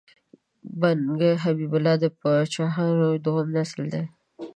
بنګ حبیب الله د پایلوچانو دوهم نسل دی.